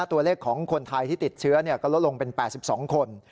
ตัวเลขของคนไทยที่ติดเชื้อก็ลดลงเป็น๘๒คน